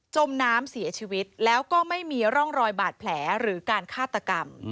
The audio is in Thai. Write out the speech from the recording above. มน้ำเสียชีวิตแล้วก็ไม่มีร่องรอยบาดแผลหรือการฆาตกรรม